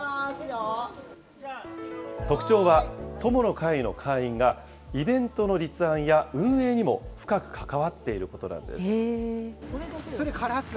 特徴は、友の会の会員が、イベントの立案や運営にも深く関わっていることなんです。